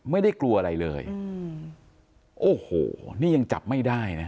ไม่ได้กลัวอะไรเลยอืมโอ้โหนี่ยังจับไม่ได้นะ